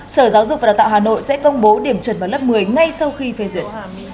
sở giáo dục và đào tạo hà nội sẽ công bố điểm chuẩn vào lớp một mươi ngay sau khi phê duyệt